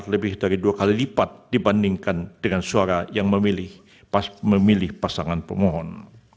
lebih dari dua kali lipat dibandingkan dengan suara yang memilih pasangan pemohon